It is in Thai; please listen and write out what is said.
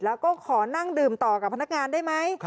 แล้วก็ขอนั่งดื่มต่อกับพนักงานได้ไหม